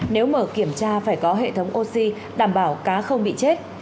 nếu mở kiểm tra phải có hệ thống oxy đảm bảo cá không bị chết